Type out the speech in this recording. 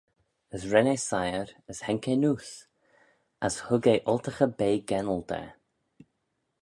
As ren eh siyr, as haink eh neose, as hug eh oltaghey-bea gennal da.